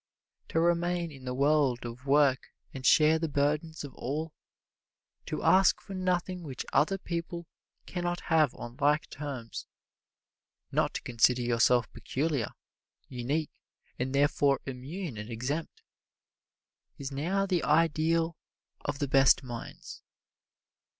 To remain in the world of work and share the burdens of all to ask for nothing which other people can not have on like terms not to consider yourself peculiar, unique and therefore immune and exempt is now the ideal of the best minds.